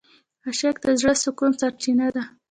عشق د زړه د سکون سرچینه ده.